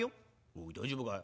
「おい大丈夫かい？